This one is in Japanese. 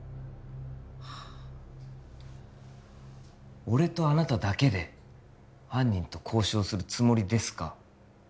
はあ俺とあなただけで犯人と交渉するつもりですか？